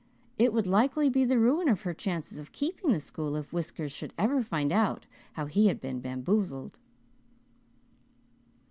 It would likely be the ruin of her chances of keeping the school if Whiskers should ever find out how he had been bamboozled."